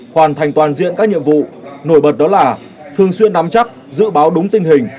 hoàn thành toàn diện các nhiệm vụ nổi bật đó là thường xuyên nắm chắc dự báo đúng tình hình